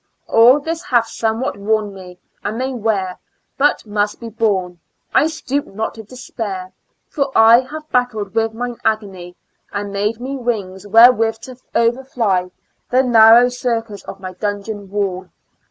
All this hath somewhat worn me, and may wear, But must be borne. I stoop not to despair ; For I have battled with mine agony. And made me wings wherewith to overfly The narrow circus of my dungeon wall.